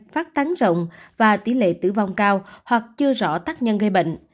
phát tán rộng và tỷ lệ tử vong cao hoặc chưa rõ tác nhân gây bệnh